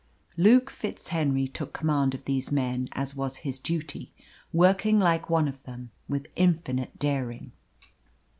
Luke FitzHenry took command of these men, as was his duty, working like one of them, with infinite daring.